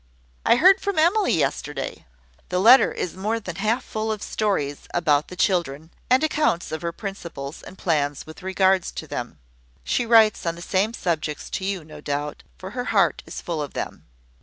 "I heard from Emily yesterday. The letter is more than half full of stories about the children, and accounts of her principles and plans with regard to them. She writes on the same subjects to you, no doubt, for her heart is full of them.